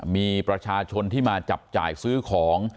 มีประชาชนที่มาจับจ่ายซื้อของ